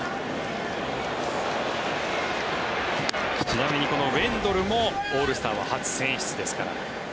ちなみにこのウェンドルもオールスターは初選出ですから。